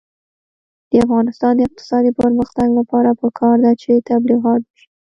د افغانستان د اقتصادي پرمختګ لپاره پکار ده چې تبلیغات وشي.